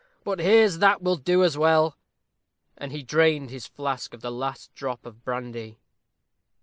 But here's that will do as well." And he drained his flask of the last drop of brandy.